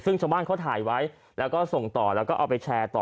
ซึ่งชาวบ้านเขาถ่ายไว้แล้วก็ส่งต่อแล้วก็เอาไปแชร์ต่อ